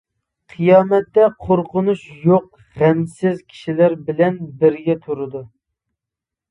قىيامەتتە قورقۇنچ يوق غەمسىز كىشىلەر بىلەن بىرگە تۇرىدۇ.